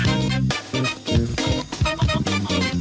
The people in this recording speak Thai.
โอ้โห